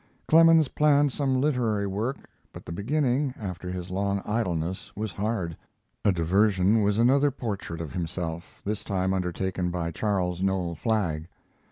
Clemens planned some literary work, but the beginning, after his long idleness, was hard. A diversion was another portrait of himself, this time undertaken by Charles Noel Flagg.